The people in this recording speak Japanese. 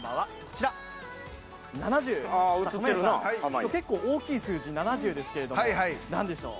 今日結構大きい数字７０ですけれども何でしょう？